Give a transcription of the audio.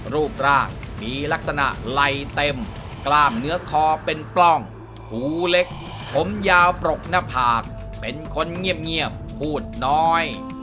รูปร่างมีลักษณะไหลเต็มกล้ามเนื้อคอเป็นปล้องหูเล็กผมยาวปรกหน้าผากเป็นคนเงียบพูดน้อย